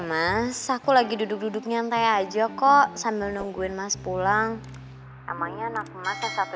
mas aku lagi duduk duduk nyantai aja kok sambil nungguin mas pulang emangnya anak masa satu